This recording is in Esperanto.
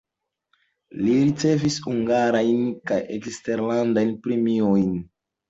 Li ricevis hungarajn kaj eksterlandajn premiojn.